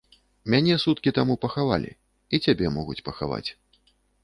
Мяне суткі таму пахавалі, і цябе могуць пахаваць.